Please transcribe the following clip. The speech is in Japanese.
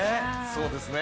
そうですね。